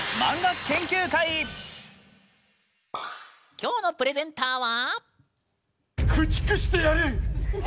きょうのプレゼンターは？